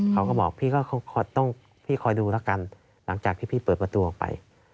เขาก็บอกพี่ก็ต้องพี่คอยดูแล้วกันหลังจากที่พี่เปิดประตูออกไป